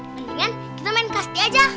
mendingan kita main kasih aja